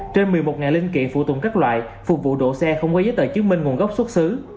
trên một mươi một linh kiện phụ tùng các loại phục vụ đổ xe không có giấy tờ chứng minh nguồn gốc xuất xứ